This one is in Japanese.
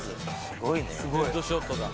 ・すごい。